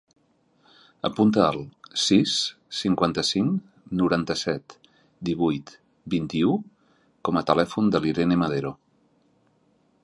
Apunta el sis, cinquanta-cinc, noranta-set, divuit, vint-i-u com a telèfon de l'Irene Madero.